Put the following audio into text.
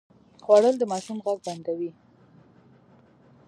خوړل د ماشوم غږ بندوي